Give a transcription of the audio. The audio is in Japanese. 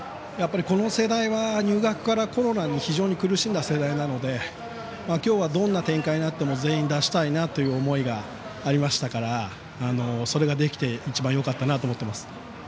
この世代は、入学からコロナに非常に苦しんだ世代なので今日は、どんな展開になっても全員出したいなという思いがありましたからそれができて一番よかったなと思っています。